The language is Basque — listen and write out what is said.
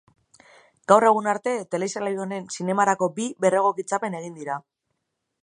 Gaur egun arte telesail honen zinemarako bi berregokitzapen egin dira.